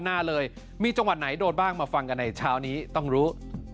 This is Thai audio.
หน้าเลยมีจังหวัดไหนโดนบ้างมาฟังกันในเช้านี้ต้องรู้